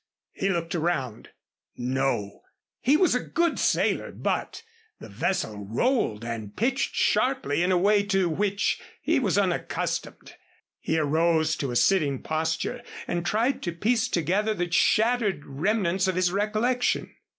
He looked around. No. He was a good sailor, but the vessel rolled and pitched sharply in a way to which he was unaccustomed. He arose to a sitting posture and tried to piece together the shattered remnants of his recollection.